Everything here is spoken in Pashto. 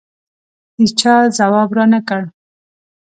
هېچا ځواب رانه کړ.